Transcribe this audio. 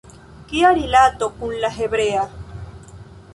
Kia rilato kun la hebrea?